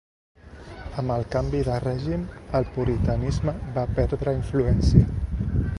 Amb el canvi de règim, el puritanisme va perdre influència.